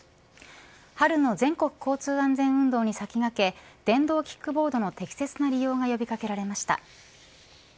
春の全国交通安全運動に先駆け電動キックボードの適切な利用が呼び掛けられました。